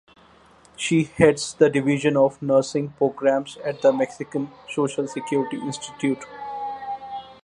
She heads the Division of Nursing Programs at the Mexican Social Security Institute.